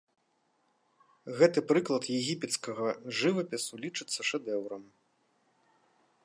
Гэты прыклад егіпецкага жывапісу лічыцца шэдэўрам.